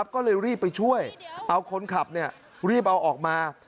ก็เลยรีบไปช่วยเอาคนขับรีบเอาออกมา